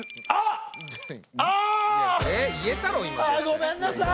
ごめんなさい！